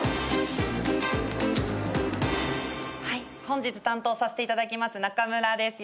本日担当させていただきますナカムラです。